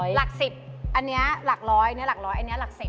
หลัก๑๐อันนี้หลักร้อยอันนี้หลักร้อยอันนี้หลัก๑๐